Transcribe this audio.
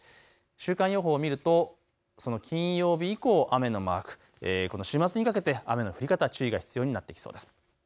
週間予報を見るとその金曜日以降、雨のマーク、週末にかけて雨の降り方、注意が必要になってきそうです。